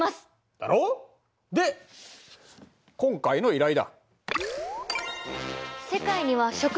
だろう？で今回の依頼だ。